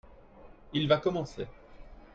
il va commencer.